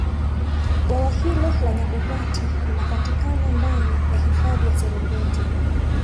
bwawa hilo la nyabogati linapatikana ndani ya hifadhi ya serengeti